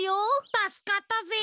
たすかったぜ。